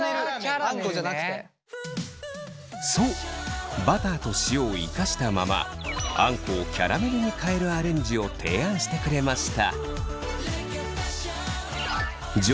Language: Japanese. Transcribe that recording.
そうバターと塩を生かしたままあんこをキャラメルに変えるアレンジを提案してくれました。